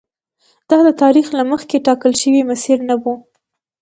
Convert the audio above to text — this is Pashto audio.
دا د تاریخ له مخکې ټاکل شوی مسیر نه و.